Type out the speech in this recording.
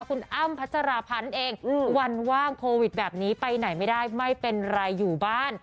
คุณอ้ำพัชราพันธ์เองวันว่างโควิดแบบนี้ไปไหนไม่ได้ไม่เป็นไรอยู่บ้าน